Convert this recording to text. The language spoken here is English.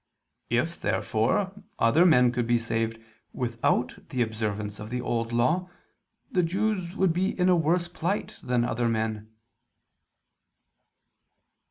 If therefore other men could be saved without the observance of the Old Law, the Jews would be in a worse plight than other men.